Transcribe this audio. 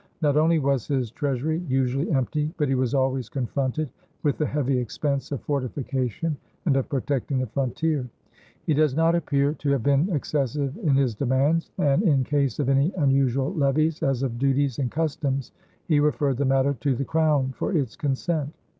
Not only was his treasury usually empty, but he was always confronted with the heavy expense of fortification and of protecting the frontier. He does not appear to have been excessive in his demands, and in case of any unusual levies, as of duties and customs, he referred the matter to the Crown for its consent.